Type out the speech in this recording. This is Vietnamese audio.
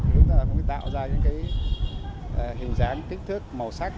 chúng ta cũng phải tạo ra những hình dáng kích thước màu sắc